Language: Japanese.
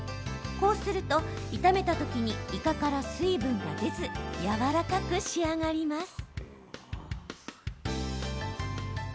こうすると、炒めたときにイカから水分が出ずやわらかく仕上がります。